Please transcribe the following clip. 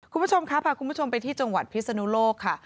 คุณผู้ชมค่ะพาคุณผู้ชมไปที่จังหวัดพิศนุโลกค่ะ